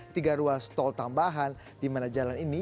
tiga ruas tol tambahan dimana jalan ini